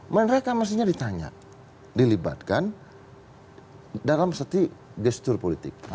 mereka mestinya ditanya dilibatkan dalam setiap gestur politik